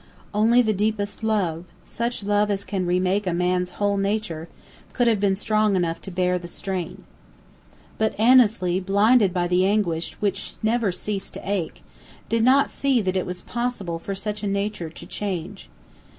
Only the deepest love such love as can remake a man's whole nature could have been strong enough to bear the strain. But Annesley, blinded by the anguish which never ceased to ache, did not see that it was possible for such a nature to change.